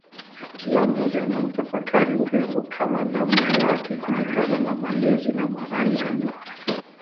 Kila mmoja anautafakari urembo kwa namna yake kulingana na malezi na mahali alipo